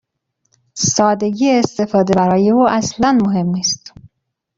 سادگی استفاده برای او اصلا مهم نیست.